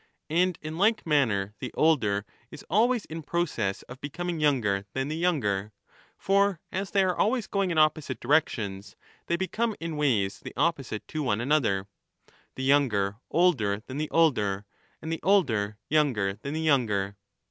And in like manner the older is always in process of becoming younger than the younger ; for as they are always going in opposite directions they become in ways the opposite to one another, the younger older than the older, and the older younger than the younger.